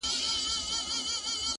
o کافر دروغ پاخه رشتیا مات کړي,